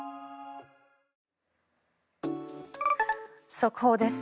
速報です。